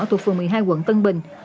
thuộc phường một mươi hai quận tân bình